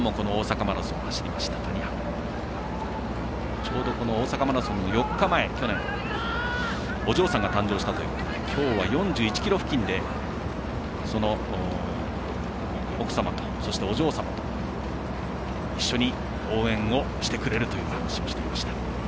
ちょうど大阪マラソンの４日前去年お嬢さんが誕生したということで今日は４１ｋｍ付近でその奥様と、そのお嬢様と一緒に応援をしてくれるという話をしていました。